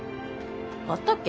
あったっけ？